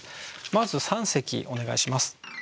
まず三席お願いします。